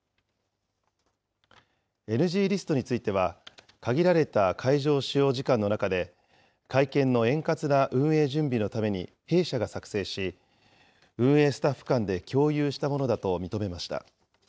ＮＧリストについては、限られた会場使用時間の中で、会見の円滑な運営準備のために弊社が作成し、運営スタッフ間で共有したものだと認めました。